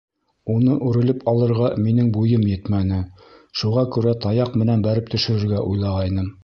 Уны үрелеп алырға минең буйым етмәне, шуға күрә таяҡ менән бәреп төшөрөргә уйлағайным.